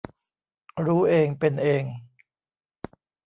รู้เองเป็นเอง